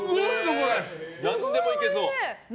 何でもいけそう。